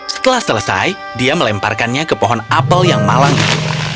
setelah selesai dia melemparkannya ke pohon apel yang malang